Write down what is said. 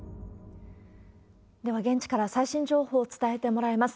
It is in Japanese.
では、現地から最新情報を伝えてもらいます。